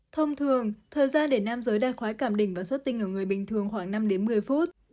thông thường thời gian để nam giới đạt khoái cảm đỉnh và sốt tinh ở người bình thường khoảng năm một mươi phút